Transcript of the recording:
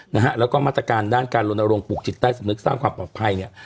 นะฮะแล้วก็มาตรการด้านการลนโรงปลูกจิตใต้สำนึกสร้างความปลอดภัยเนี่ย